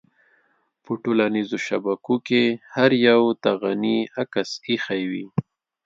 په ټولنيزو شبکو کې هر يوه د غني عکس اېښی وي.